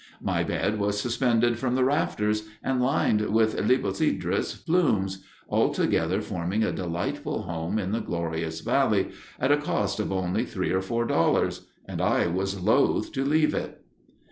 My bed was suspended from the rafters and lined with libocedrus plumes, altogether forming a delightful home in the glorious Valley at a cost of only three or four dollars, and I was loath to leave it."